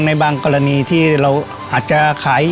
ในบางกรณีที่เราอาจจะขาย